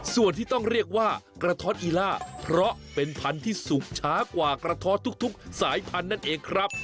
ส่วนที่ต้องเรียกว่ากระท้อนอีล่าเพราะเป็นพันธุ์ที่สุกช้ากว่ากระท้อนทุกสายพันธุ์นั่นเองครับ